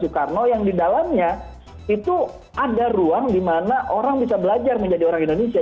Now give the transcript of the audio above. warisan soekarno yang didalamnya itu ada ruang dimana orang bisa belajar menjadi orang indonesia